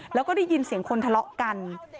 แล้วก็ได้ยินเสียงคนทะเลาะกัน